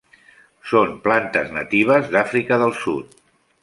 Són plantes natives d'Àfrica del Sud.